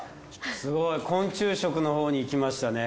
すごい昆虫食のほうにいきましたね。